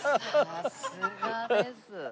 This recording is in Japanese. さすがです。